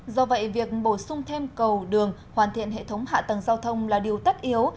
do vậy việc bổ sung thêm cầu đường hoàn thiện hệ thống hạ tầng giao thông là điều tất yếu